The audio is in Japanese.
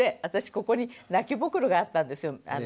ここに泣きぼくろがあったんですよ。